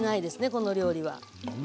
この料理は。